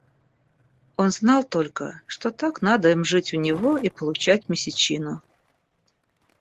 Он знал только, что так надо им жить у него и получать месячину.